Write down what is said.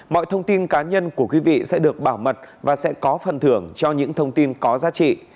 mọi thông tin cá nhân của quý vị sẽ được bảo mật và sẽ có phần thưởng cho những thông tin có giá trị